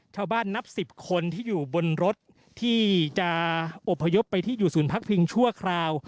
นับ๑๐คนที่อยู่บนรถที่จะอบพยพไปที่อยู่ศูนย์พักพิงชั่วคราว